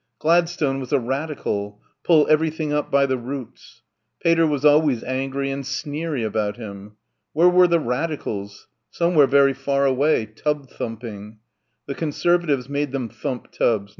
Gladstone was a Radical ... "pull everything up by the roots." ... Pater was always angry and sneery about him.... Where were the Radicals? Somewhere very far away ... tub thumping ... the Conservatives made them thump tubs